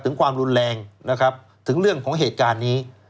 ความรุนแรงนะครับถึงเรื่องของเหตุการณ์นี้